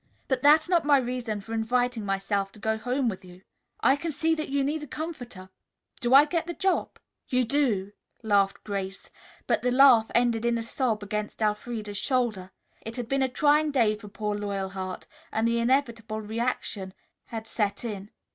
But that's not my reason for inviting myself to go home with you. I can see that you need a comforter. Do I get the job?" "You do," laughed Grace, but the laugh ended in a sob against Elfreda's shoulder. It had been a trying day for poor Loyalheart and the inevitable reaction had set in.